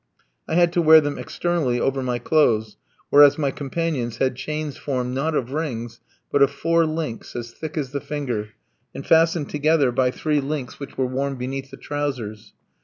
I had to wear them externally over my clothes, whereas my companions had chains formed, not of rings, but of four links, as thick as the finger, and fastened together by three links which were worn beneath the trousers.